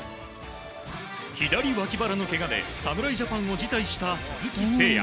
左わき腹のけがで侍ジャパンを辞退した鈴木誠也。